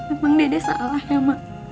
emang dia salah ya mak